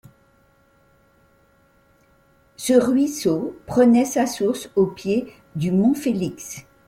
Ce ruisseau prenait sa source au pied du Mont-Félix.